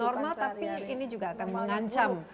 normal tapi ini juga akan mengancam